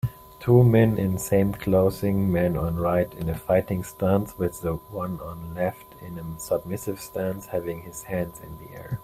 Two men in same clothing man on right in a fighting stance with the one on left in a submissive stance having his hands in the air